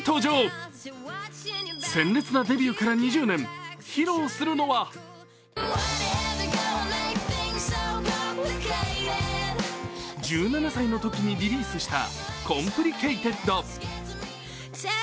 鮮烈なデビューから２０年披露するのは１７歳のときにリリースした「Ｃｏｍｐｌｉｃａｔｅｄ」。